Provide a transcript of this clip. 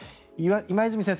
今泉先生